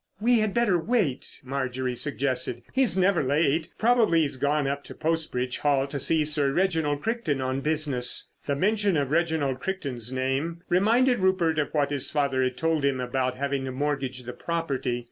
"We had better wait," Marjorie suggested, "He's never late. Probably he has gone up to Post Bridge Hall to see Sir Reginald Crichton on business." The mention of Reginald Crichton's name reminded Rupert of what his father had told him about having to mortgage the property.